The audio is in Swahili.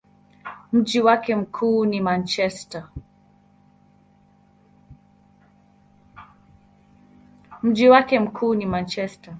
Mji wake mkuu ni Manchester.